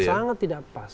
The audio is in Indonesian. sangat tidak pas